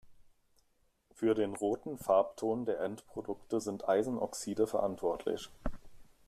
Für den roten Farbton der Endprodukte sind Eisenoxide verantwortlich.